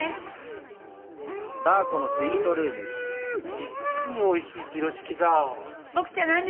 実においしいピロシキだ。